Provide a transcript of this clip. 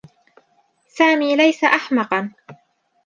سامي ليس أحمقا.